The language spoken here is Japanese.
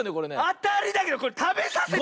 あたりだけどこれたべさせて！